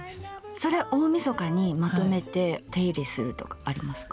それ大みそかにまとめて手入れするとかありますか？